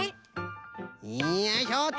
よいしょっと。